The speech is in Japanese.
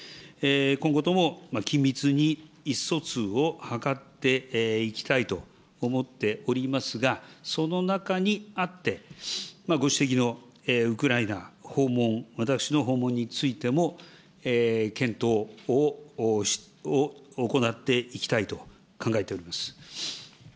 今後とも緊密に意思疎通を図っていきたいと思っておりますが、その中にあって、ご指摘のウクライナ訪問、私の訪問についても、検討を行っていきたいと考えております。